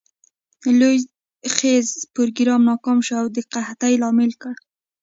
لوی خیز پروګرام ناکام شو او د قحطي لامل ګړ.